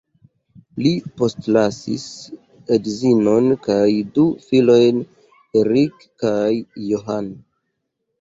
Li postlasis edzinon kaj du filojn, Erik kaj John.